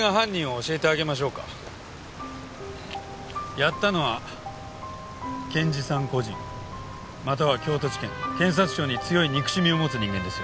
やったのは検事さん個人または京都地検検察庁に強い憎しみを持つ人間ですよ。